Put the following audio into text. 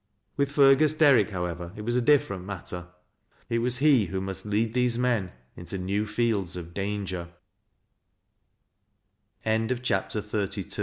With Fergus Derrick, however, it was a different mat' ter. It was he wbi must leai these men into new field* 3f danger CHAPTEE XXXm. FATE.